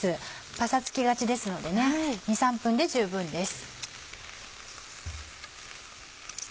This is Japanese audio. パサつきがちですので２３分で十分です。